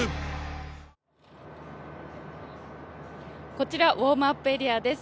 こちらウォームアップエリアです。